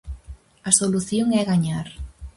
A solución é gañar.